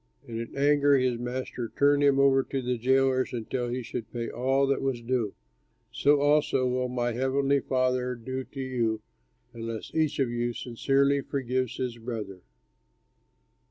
And in anger his master turned him over to the jailers until he should pay all that was due. So also will my heavenly Father do to you unless each of you sincerely forgives his brother."